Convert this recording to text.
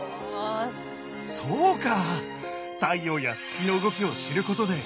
そうか！